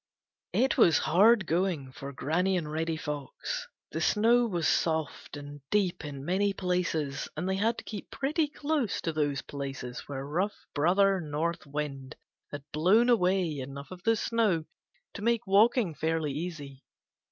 It was hard going for Granny and Reddy Fox. The snow was soft and deep in many places, and they had to keep pretty close to those places where rough Brother North Wind had blown away enough of the snow to make walking fairly easy.